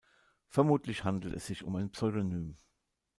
Vermutlich handelt es sich um ein Pseudonym.